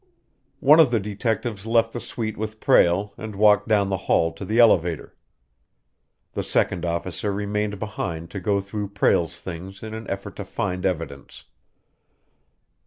One of the detectives left the suite with Prale and walked down the hall to the elevator. The second officer remained behind to go through Prale's things in an effort to find evidence.